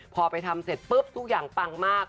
พอไปทำเสร็จปุ๊บทุกอย่างปังมาก